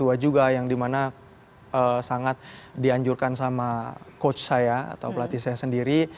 kedua juga yang dimana sangat dianjurkan sama coach saya atau pelatih saya sendiri